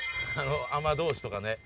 海女同士とかね。